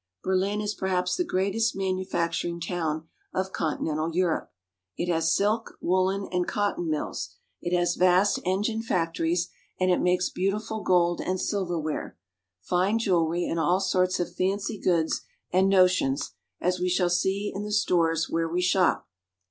Berlin is perhaps the greatest manu facturing town of continental Europe. It has silk, woolen, and cotton mills, it has vast engine factories, and it makes beautiful gold and silver ware, fine jewelry, and all sorts of fancy goods and notions, as we shall see in the stores when we shop.